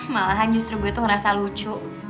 malahan justru gue itu ngerasa lucu